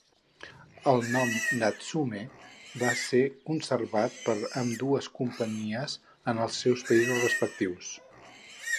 El nom "Natsume" va ser conservat per ambdues companyies en els seus països respectius.